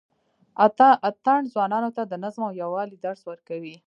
اتڼ ځوانانو ته د نظم او یووالي درس ورکوي.